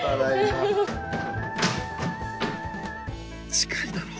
近いだろ。